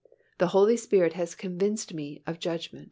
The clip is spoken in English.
The Holy Spirit has convinced me of judgment.